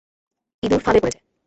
ইঁদুর ফাঁদে পড়েছে!